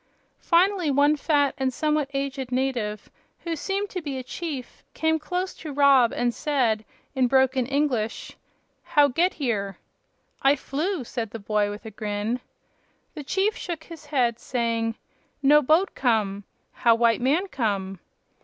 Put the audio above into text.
Finally one fat and somewhat aged native, who seemed to be a chief, came close to Rob and said, in broken English: "How get here?" "I flew," said the boy, with a grin. The chief shook his head, saying: "No boat come. How white man come?"